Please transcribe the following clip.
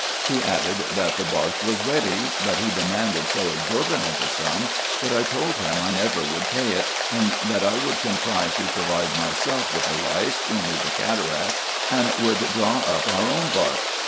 He added, that the bark was ready : but he demanded so exorbitant a sum, that I told him I never would pay it, and that I would contrive to provide myself with a Eeis, who knew the cataract, and would draw up our own bark.